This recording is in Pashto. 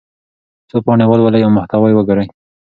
څو پاڼې ولولئ او محتوا یې وګورئ.